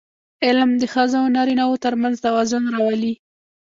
علم د ښځو او نارینهوو ترمنځ توازن راولي.